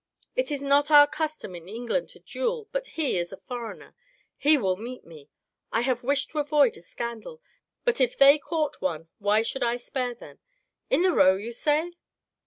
It is not our custom in England to duel. But he is a foreigner. He will meet me. I have wished to avoid a scandal, but if they court one why should I spare them ? In the Row, you say